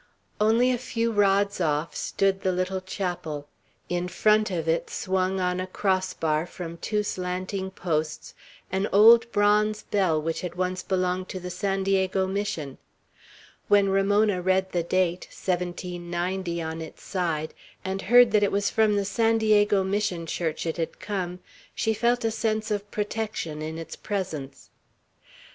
Only a few rods off stood the little chapel; in front of it swung on a cross bar from two slanting posts an old bronze bell which had once belonged to the San Diego Mission. When Ramona read the date, "1790," on its side, and heard that it was from the San Diego Mission church it had come, she felt a sense of protection in its presence.